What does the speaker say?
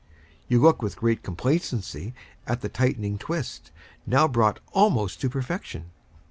You look with great complacency at the tightening twist, now brought almost to perfection.